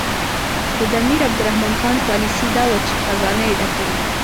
خو د امیر عبدالرحمن خان پالیسي دا وه چې خزانه یې ډکه وي.